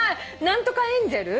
何とかエンジェル？